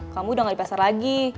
kamu udah gak di pasar lagi